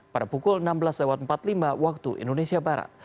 pada pukul enam belas empat puluh lima waktu indonesia barat